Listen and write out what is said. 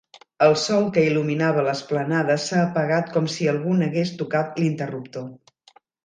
El sol que il·luminava l'esplanada s'ha apagat com si algú n'hagués tocat l'interruptor.